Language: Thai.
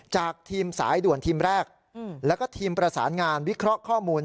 ทีมสายด่วนทีมแรกแล้วก็ทีมประสานงานวิเคราะห์ข้อมูล